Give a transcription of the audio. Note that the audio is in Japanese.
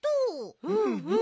うんうん。